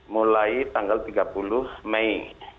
mulai tanggal tiga puluh mei